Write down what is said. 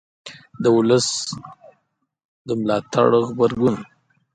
د ولس د ملاتړ غبرګون